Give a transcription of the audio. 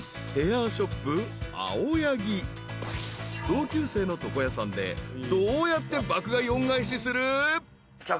［同級生の床屋さんでどうやって爆買い恩返しする？］